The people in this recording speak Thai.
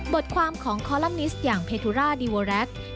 บทความของคอลัมนิสอย่างเพทุราดีโอแร็ก